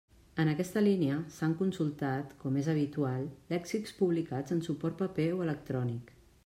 En aquesta línia, s'han consultat, com és habitual, lèxics publicats en suport paper o electrònic.